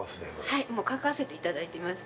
はいもう書かせていただいてます